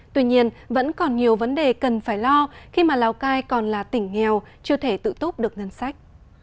tuy nhiên vẫn còn nhiều vấn đề cần phải lo khi mà lào cai còn là tỉnh nghèo chưa thể tự túc được ngân sách